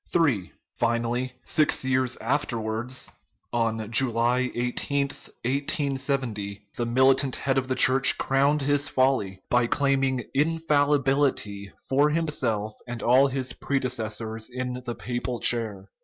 (3) Finally, six years afterwards on July 13, 1870 the militant head of the Church crowned his folly by claiming infallibility for himself and all his predecessors in the papal chair.